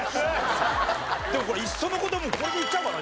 でもこれいっその事これでいっちゃおうかな。